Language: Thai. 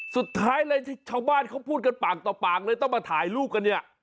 สุดท้ายเลยชาวบ้านเขาพูดกันปากต่อปากเลยต้องมาถ่ายรูปกันเนี่ย